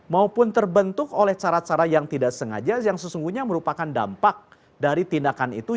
maupun terbentuk oleh cara cara yang tidak sengaja yang sesungguhnya merupakan dampak dari tindakan itu